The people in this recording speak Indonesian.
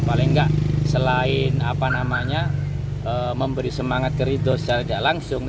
paling nggak selain memberi semangat ke rito secara tidak langsung